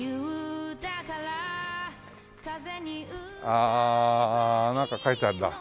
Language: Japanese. ああなんか書いてあるな。